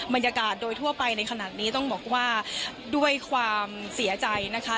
บรรยากาศโดยทั่วไปในขณะนี้ต้องบอกว่าด้วยความเสียใจนะคะ